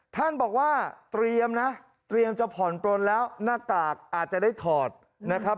ท่านบอกว่าเตรียมนะเตรียมจะผ่อนปลนแล้วหน้ากากอาจจะได้ถอดนะครับ